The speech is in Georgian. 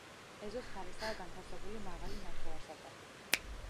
ეზოს მხარესაა განთავსებული მაღალი ნახევარსარდაფი.